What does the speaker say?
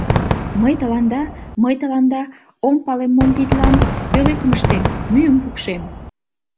— Мый тыланда... мый тыланда ом пале мом тидлан... пӧлекым ыштем... мӱйым пукшем.